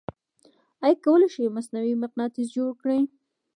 آیا کولی شئ مصنوعې مقناطیس جوړ کړئ؟